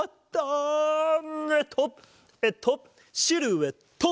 えっとえっとシルエット！